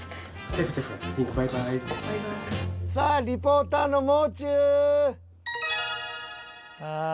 さあリポーターのもう中！